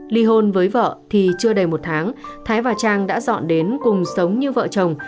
ly hôn với vợ thì chưa đầy một tháng thái và trang đã dọn đến cùng sống như vợ chồng